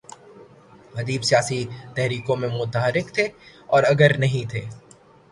ادیب سیاسی تحریکوں میں متحرک تھے اور اگر نہیں تھے۔